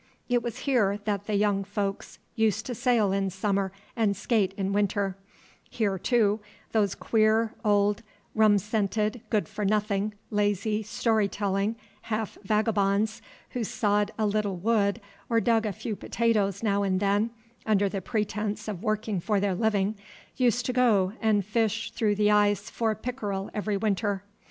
It was here that the young folks used to sail in summer and skate in winter; here, too, those queer, old, rum scented good for nothing, lazy, story telling, half vagabonds, who sawed a little wood or dug a few potatoes now and then under the pretence of working for their living, used to go and fish through the ice for pickerel every winter.